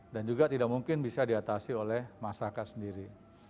dan juga tidak mungkin bisa diatasi oleh masyarakat sendiri